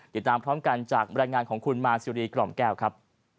ติดตามพร้อมกันจากบรรยายงานของคุณมาซิรีกล่อมแก้วครับ